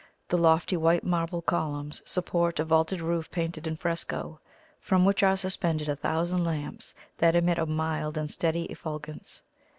The lofty white marble columns support a vaulted roof painted in fresco, from which are suspended a thousand lamps that emit a mild and steady effulgence.